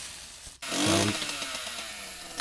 cavik